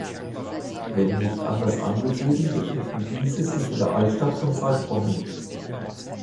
Wenn nicht anders angegeben, befinden diese sich in der Altstadt von Zaltbommel.